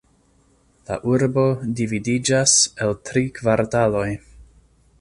La urbo dividiĝas el tri kvartaloj.